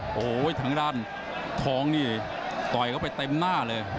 โอ้โหทางด้านทองนี่ต่อยเข้าไปเต็มหน้าเลย